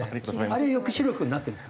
あれ抑止力になってるんですかね。